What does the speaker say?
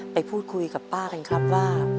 ไปพูดคุยกับป้ากันครับว่า